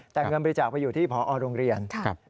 แต่เงินบริจาคไปอยู่ที่พอโรงเรียน